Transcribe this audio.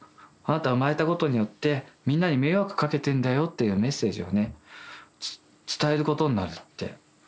あなた生まれたことによってみんなに迷惑かけてんだよ」っていうメッセージをね伝えることになるって。